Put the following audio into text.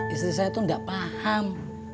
istri saya tuh gak paham